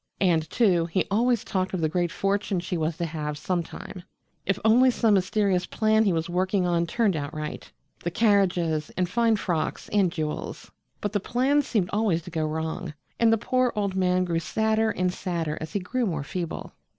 And, too, he always talked of the great fortune she was to have sometime if only some mysterious plan he was working on turned out right the carriages and fine frocks and jewels. But the plan seemed always to go wrong, and the poor old man grew sadder and sadder as he grew more feeble.